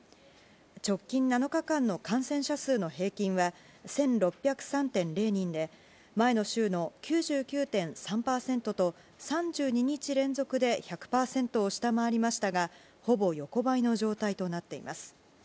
直近７日間の感染者数の平均は、１６０３．０人で、前の週の９９．３％と、３２日連続で１００％を下回りましたが、ほぼ横ばいの状態となっています。